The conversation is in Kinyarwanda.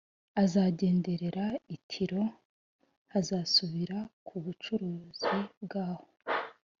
azagenderera i tiro hazasubira ku bucuruzi bwaho.